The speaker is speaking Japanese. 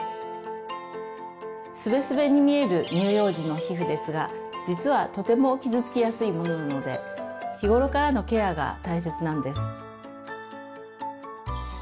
スベスベに見える乳幼児の皮膚ですが実はとても傷つきやすいものなので日頃からのケアが大切なんです。